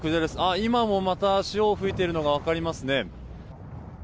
今もまた潮を吹いてるのが分かりますね。